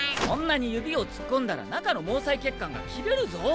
そんなに指を突っ込んだら中の毛細血管が切れるぞ。